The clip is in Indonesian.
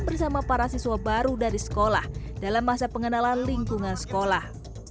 bersama para siswa baru dari sekolah dalam masa pengenalan lingkungan sekolah